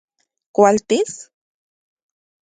¿Kualtis...?